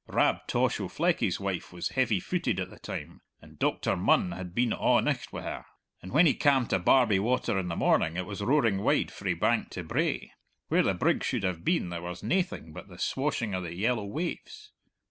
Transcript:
Rab Tosh o' Fleckie's wife was heavy footed at the time, and Doctor Munn had been a' nicht wi' her, and when he cam to Barbie Water in the morning it was roaring wide frae bank to brae; where the brig should have been there was naething but the swashing of the yellow waves.